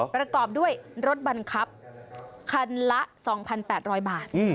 ประกอบด้วยรถบังคับคันละ๒๘๐๐บาท